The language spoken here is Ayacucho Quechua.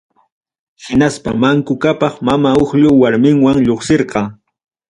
Hinaspa Manqu Qhapaq Mama Uqllu warminwan lluqsirqa.